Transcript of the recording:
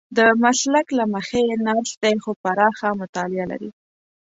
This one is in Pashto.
د مسلک له مخې نرس دی خو پراخه مطالعه لري.